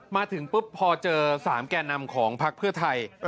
มาถึงปุ๊บพอเจอ๓แก่นำของพักเพื่อไทย